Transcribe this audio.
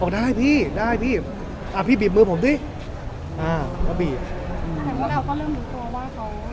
อ๋อได้พี่ได้พี่อ่าพี่บีบมือผมพี่อ่าแล้วเราก็เริ่มรู้ตัวว่าเขา